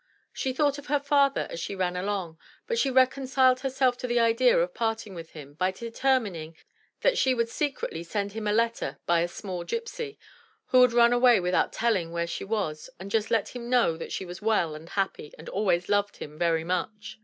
She thought of her father as she ran along, but she recon ciled herself to the idea of parting with him, by determining that she would secretly send him a letter by a small gypsy, who would run away without telling where she was and just let him know that she was well and happy and always loved him very much.